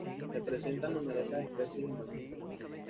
Se presentan numerosas especies de mamíferos.